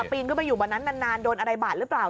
ปีนขึ้นไปอยู่บนนั้นนานโดนอะไรบาดหรือเปล่า